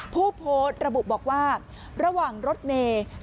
ผู้โพสต์ระบุบอกว่าระหว่างรถเมย์